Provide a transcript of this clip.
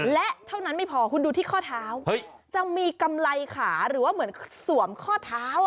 และเท่านั้นไม่พอหรือดูที่ข้อเท้าเฮ้ยจะมีกำไรขาว่ะเหมือนส่วมข้อเท้า